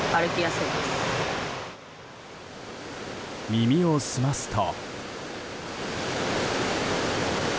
耳を澄ますと。